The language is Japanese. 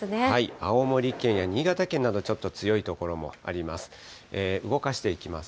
青森県や新潟県など、ちょっと強い所もあります。